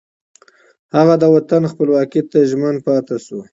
هغه د وطن خپلواکۍ ته ژمن پاتې شو